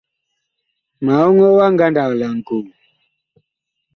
Ma ɔŋɔɔ ngandag wa laŋkoo.